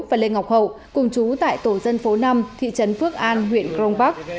và lê ngọc hậu cùng chú tại tổ dân phố năm thị trấn phước an huyện cron park